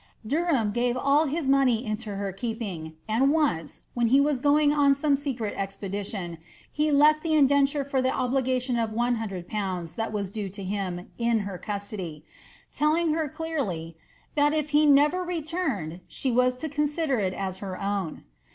Derham gave all his money into her keeping ; and once, when he wm going on some secret expedition, he left the indenture for the obligatioi of a hundred pounds that was due to him, in her custody ; telling her clearly, ^ that if he never returned, she was to consider it aa her own."'